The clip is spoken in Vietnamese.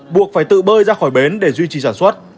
buộc phải tự bơi ra khỏi bến để duy trì sản xuất